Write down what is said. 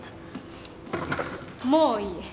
もういい。